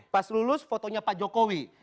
pas lulus fotonya pak jokowi